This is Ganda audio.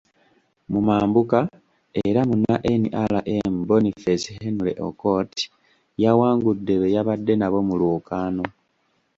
Mu mambuka era Munna NRM, Boniface Henry Okot yawangudde be yabadde nabo mu lwokaano.